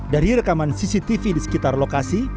dari rekaman cctv di sekitar lokasi